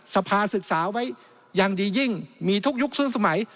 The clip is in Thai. สภาศึกษาไว้อย่างดียิ่งมีทุกยุคซึ่งสมัย